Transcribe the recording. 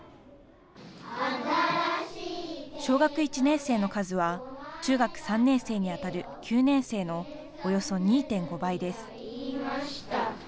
小学１年生の数は中学３年生にあたる９年生のおよそ２．５倍です。